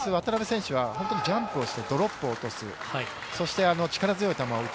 渡辺選手はジャンプをしてドロップ落とす力強い球を打つ。